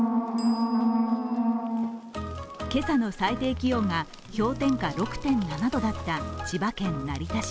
今朝の最低気温が氷点下６．７度だった千葉県成田市。